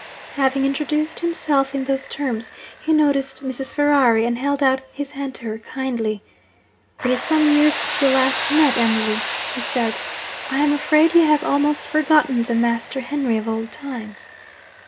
Having introduced himself in those terms, he noticed Mrs. Ferrari, and held out his hand to her kindly. 'It is some years since we last met, Emily,' he said. 'I am afraid you have almost forgotten the "Master Henry" of old times.'